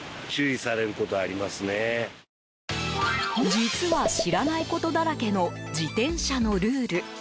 実は、知らないことだらけの自転車のルール。